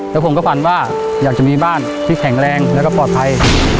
แล้วผมก็ฝันว่าอยากจะมีบ้านที่แข็งแรงแล้วก็ปลอดภัย